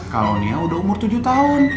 kalau dia udah umur tujuh tahun